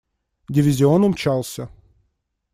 Дивизион умчался.